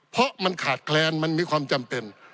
เพราะมันขาดแคลนมันมีความจำเป็น